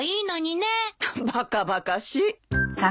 バカバカしい。